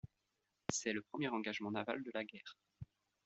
C'est le premier engagement naval de la guerre.